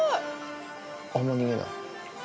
あんま逃げない。